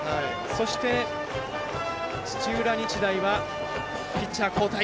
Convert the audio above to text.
そして、土浦日大はピッチャー交代。